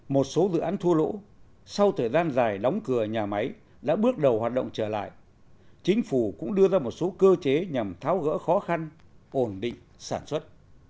một số dự án thua lỗ sau thời gian dài đóng cửa nhà máy đã bước đầu hoạt động trở lại chính phủ cũng đưa ra một số cơ chế nhằm tháo gỡ khó khăn ổn định sản xuất